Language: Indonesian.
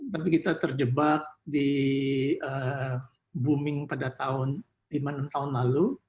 tapi kita terjebak di booming pada tahun di mana tahun lalu